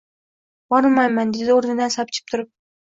— Bormayman, — dedi o‘rnidan sapchib turib.